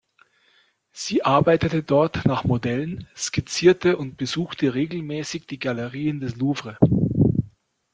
Sie arbeitete dort nach Modellen, skizzierte und besuchte regelmäßig die Galerien des Louvre.